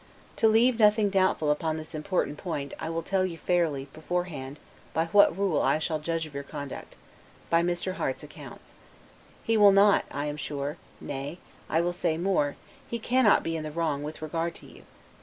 To leave nothing doubtful upon this important point I will tell you fairly, beforehand, by what rule I shall judge of your conduct by Mr. Harte's accounts. He will not I am sure, nay, I will say more, he cannot be in the wrong with regard to you.